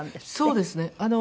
そうですね。